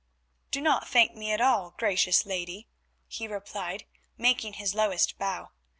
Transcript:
"Do not thank me at all, gracious lady," he replied, making his lowest bow.